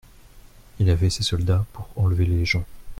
Il avait ses soldats pour enlever les gens.